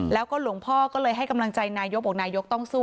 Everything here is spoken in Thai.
แล้วก็หลวงพ่อก็เลยให้กำลังใจนายกบอกนายกต้องสู้